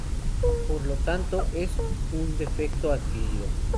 Por lo tanto es un defecto adquirido.